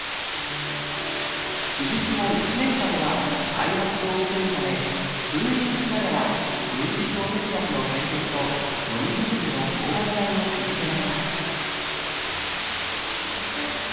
手術後１年間は再発を防ぐため通院しながら分子標的薬の点滴とのみ薬の抗がん剤を続けました